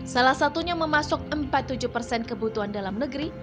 salah satunya memasuk empat tujuh kebutuhan dalam negeri